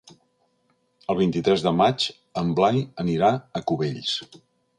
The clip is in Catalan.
El vint-i-tres de maig en Blai anirà a Cubells.